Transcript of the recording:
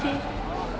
tidak apa apa sih